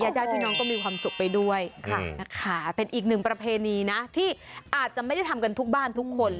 ญาติพี่น้องก็มีความสุขไปด้วยนะคะเป็นอีกหนึ่งประเพณีนะที่อาจจะไม่ได้ทำกันทุกบ้านทุกคน